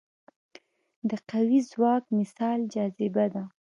د قوي ځواک مثال جاذبه ده.